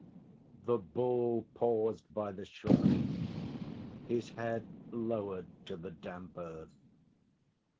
The Bull paused by the shrine, his head lowered to the damp earth.